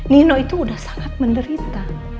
nino itu sudah sangat menderita